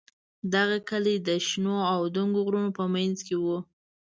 دغه کلی د شنو او دنګو غرونو په منځ کې و.